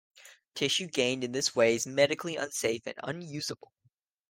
Tissue gained in this way is medically unsafe and unusable.